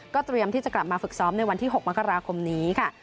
เตรียมที่จะกลับมาฝึกซ้อมในวันที่๖มกราคมนี้ค่ะ